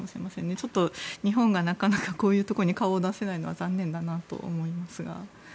ちょっと日本がなかなかこういうところに顔を出せないのは残念だと思いますが。